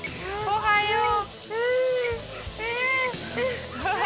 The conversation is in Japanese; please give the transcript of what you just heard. おはよう。